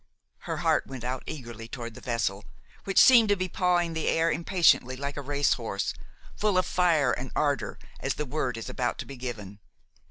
Her heart went out eagerly toward the vessel, which seemed to be pawing the air impatiently, like a race horse, full of fire and ardor, as the word is about to be given.